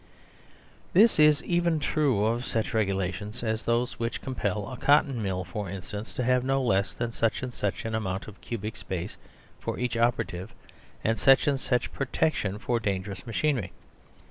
This is even true of such regulations as those which compel a Cotton Mill, for instance, to have no less than such and such an amount of cubic space for each operative, and such and such protection for dangerous machinery.